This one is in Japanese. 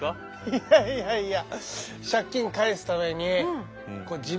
いやいやいやいや。